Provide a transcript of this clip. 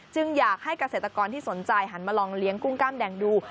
อยากให้เกษตรกรที่สนใจหันมาลองเลี้ยงกุ้งกล้ามแดงดู